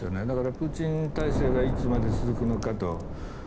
だからプーチン体制がいつまで続くのかと。